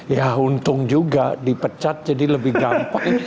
ya untung juga dipecat jadi lebih gampang